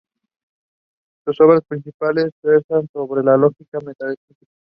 Sus obras principales versan sobre lógica y metafísica.